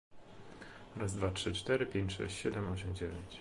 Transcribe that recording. Bronze Age Bronze Age cultural remains are representative of various types of bronze.